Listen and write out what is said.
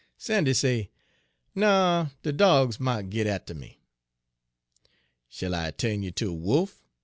"Sandy say, 'No, de dogs mought git atter me.' " 'Shill I turn you ter a wolf?'